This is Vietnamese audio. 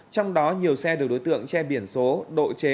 trong đó nhiều xe được đối tượng che biển số độ chế